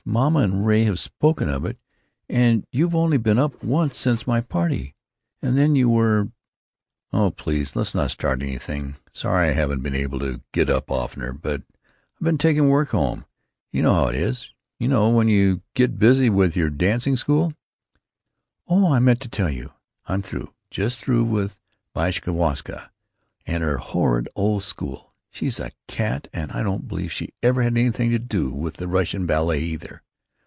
Mamma and Ray have spoken of it, and you've only been up once since my party, and then you were——" "Oh, please let's not start anything. Sorry I haven't been able to get up oftener, but I've been taking work home. You know how it is—you know when you get busy with your dancing school——" "Oh, I meant to tell you. I'm through, just through with Vashkowska and her horrid old school. She's a cat and I don't believe she ever had anything to do with the Russian ballet, either.